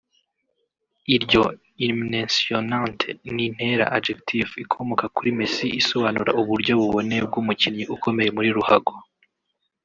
Iryo “Inmessionante” ni ntera (adjective) ikomoka kuri Messi isobanura uburyo buboneye bw’umukinnyi ukomeye muri ruhago